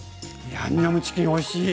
ヤンニョムチキンおいしい。